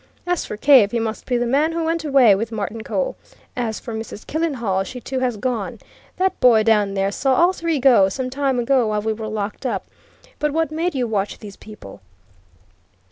As for Cave, he must be the man who went away with Martincole. As for Mrs. Killenhall, she too has gone. That boy down there saw all three go, some time ago, while we were locked up. But what made you watch these people?"